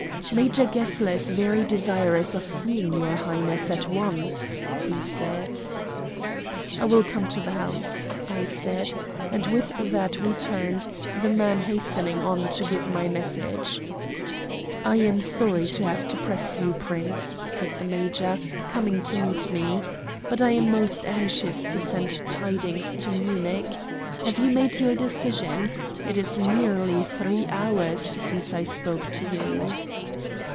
"Major Gessler is very desirous of seeing your Highness at once," he said. "I will come to the house," I said, and with that we turned, the man hastening on to give my message. "I am sorry to have to press you, Prince," said the major, coming to meet me; "but I am most anxious to send tidings to Munich. Have you made your decision? It is nearly three hours since I spoke to you."